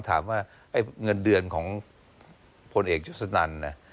ถามว่าไอ้เงินเดือนของพลเอกจุศนันเนี่ย